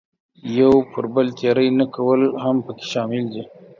یو پر بل تېری نه کول هم پکې شامل دي.